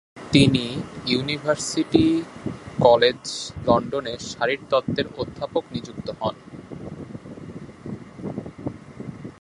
তিনি university college লন্ডনে শারীরতত্ত্বের অধ্যাপক নিযুক্ত হন।